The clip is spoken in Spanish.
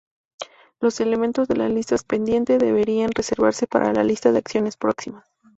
Los elementos de la lista 'Pendiente' deberían reservarse para la lista de acciones próximas.